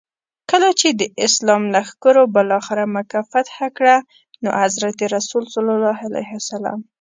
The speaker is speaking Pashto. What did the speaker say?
کله چي د اسلام لښکرو بالاخره مکه فتح کړه نو حضرت رسول ص.